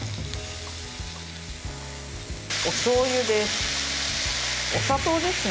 おしょうゆです。